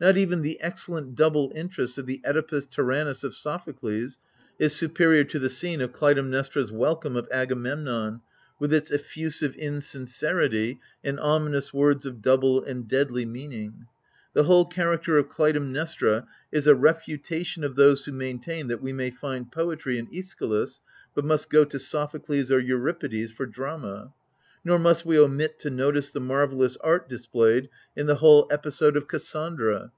Not even the excellent double interest of the (Edipus Tyrannus of Sophocles is superior to the scene of Clytemnestra's welcome of Agamemnon, with its effusive insincerity and ominous* words of double and deadly meaning. The whole character of Clytemnestra is a refutation of those who maintain that we may find poetry in iEschylus, but must go to Sophocles or Euripides for drama. Nor must we omit to notice the marvellous art displayed in the whole episode of Cassandra.